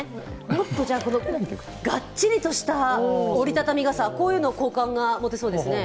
もっとガッチリとした折り畳み傘、こういうの好感が持てそうですね。